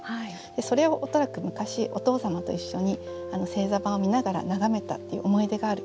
それを恐らく昔お父様と一緒に星座盤を見ながら眺めたっていう思い出がある。